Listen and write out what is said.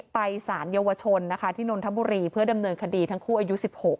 ไปสารเยาวชนนะคะที่นนทบุรีเพื่อดำเนินคดีทั้งคู่อายุ๑๖